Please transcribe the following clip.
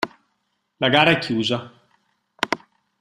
La gara è chiusa.